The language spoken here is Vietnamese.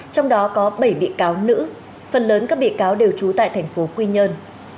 trong đó có bảy bị cáo nữ phần lớn các bị cáo đều trú tại thành phố quy nhơn